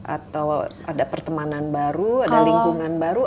atau ada pertemanan baru ada lingkungan baru